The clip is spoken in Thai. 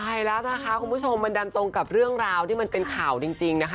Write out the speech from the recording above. ใช่แล้วนะคะคุณผู้ชมมันดันตรงกับเรื่องราวที่มันเป็นข่าวจริงนะคะ